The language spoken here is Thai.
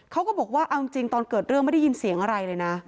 เขาก็บอกว่าเอาจริงตอนเกิดเรื่องไม่ได้ยินเสียงอะไรเลยนะ